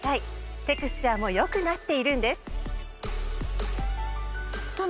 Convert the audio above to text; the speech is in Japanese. テクスチャーも良くなっているんです。